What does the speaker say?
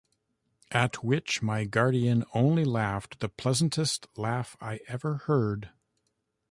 At which my guardian only laughed the pleasantest laugh I ever heard.